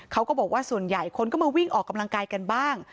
เขาก็บอกว่าส่วนใหญ่คนก็มาวิ่งออกกำลังกายกันบ้าง